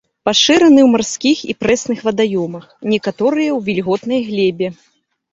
Пашыраны ў марскіх і прэсных вадаёмах, некаторыя ў вільготнай глебе.